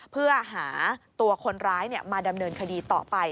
เพื่อหาตัวคนร้ายมาดำเนินคดีต่อไป